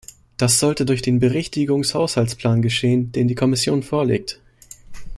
Das sollte durch den Berichtigungshaushaltsplan geschehen, den die Kommission vorlegt.